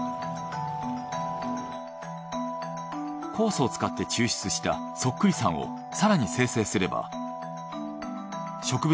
酵素を使って抽出したそっくりさんを更に精製すれば植物